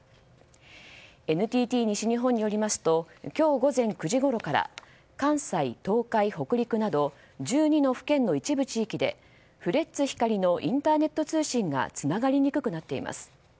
ＮＴＴ西日本によりますと今日午前９時ごろから関西、東海、北陸など１２の府県の一部地域でフレッツ光のインターネット通信がつながりにくくなっています。